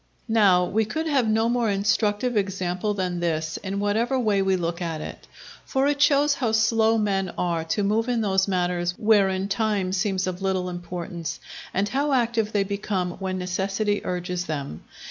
Now, we could have no more instructive example than this in whatever way we look at it. For it shows how slow men are to move in those matters wherein time seems of little importance, and how active they become when necessity urges them.